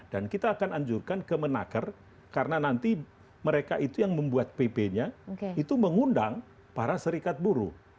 dan kita akan anjurkan ke menakar karena nanti mereka itu yang membuat pp nya itu mengundang para serikat buruh